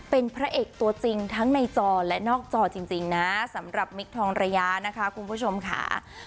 เป็นพระเอกตัวจริงทั้งในจอและนอกจอจริงนะสำหรับมิคทองระยะนะคะคุณผู้ชมค่ะ